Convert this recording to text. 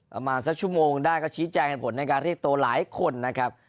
ประมาณสักชั่วโมงได้ก็ชี้แจงเหตุผลในการเรียกตัวหลายคนนะครับ